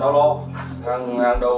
thì tao sẽ cùng mày đi